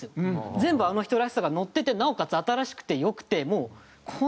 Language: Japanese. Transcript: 全部あの人らしさが乗っててなおかつ新しくて良くてもうこんなんどうしようって。